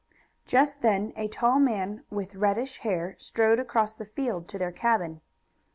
Just then a tall man with reddish hair strode across the field to their cabin.